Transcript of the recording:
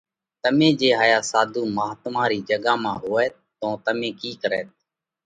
تمي جي هايا ساڌُو مهاتما رِي جڳا مانه هوئوت تو تمي ڪِي ڪروت؟